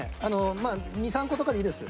まあ２３個とかでいいです。